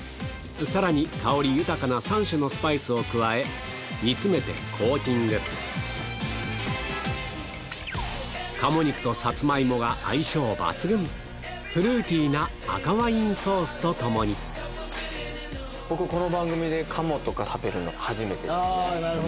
さらに香り豊かな３種のスパイスを加え煮つめてコーティング鴨肉とサツマイモが相性抜群フルーティーな赤ワインソースと共に僕この番組で鴨食べるの初めてですね。